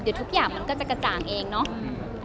เดี๋ยวทุกอย่างมันก็จะกระจ่างเองเนาะ